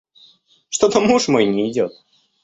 Что-то муж мой не идёт.